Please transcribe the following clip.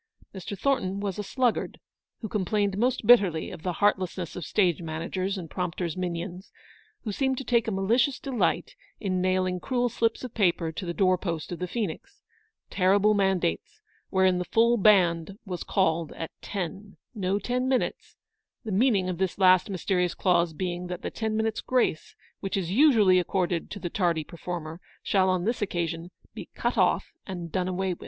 Mr. Thornton was a sluggard, who complained most bitterly of the heartlessness of stage managers and prompter's minions, who seemed to take a malicious delight in nailing cruel slips of paper to the door post of the Phoenix ; terrible man dates, wherein the Full Band was called at ten ;" no ten minutes ;" the meaning of this last mysterious clause being that the ten minutes' grace which is usually accorded to the tardy performer shall on this occasion be cut off anc done away with.